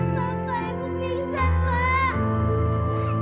bapak ibu pingsan pak